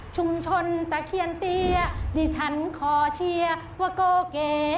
ชุมชนตะเคียนเตี้ยดิฉันขอเชียว่าโกเก